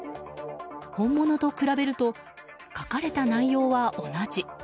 本物と比べると書かれた内容は同じ。